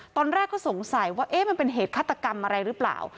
ตอนแรกก็สงสัยว่ามันเป็นเหตุฆาตกรรมอะไรหรือเปล่า